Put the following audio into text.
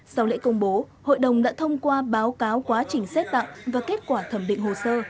sau lễ công bố hội đồng đã thông qua báo cáo quá trình xét tặng và kết quả thẩm định hồ sơ